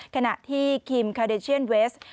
ขณะที่คิมคาเดเชียนเวส